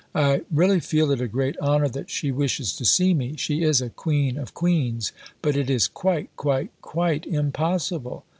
I really feel it a great honour that she wishes to see me. She is a Queen of Queens. But it is quite, quite, quite impossible....